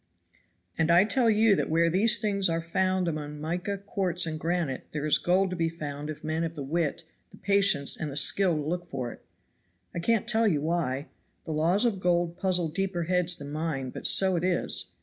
"And I tell you that where these things are found among mica, quartz and granite, there gold is to be found if men have the wit, the patience and the skill to look for it. I can't tell you why; the laws of gold puzzle deeper heads than mine, but so it is.